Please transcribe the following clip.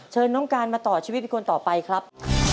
เชิญน้องการมาต่อชีวิตเป็นคนต่อไปครับ